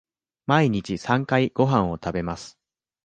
毎日三回ごはんを食べます。